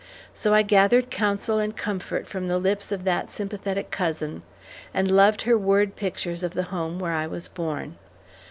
So I gathered counsel and comfort from the lips of that sympathetic cousin, and loved her word pictures of the home where I was born.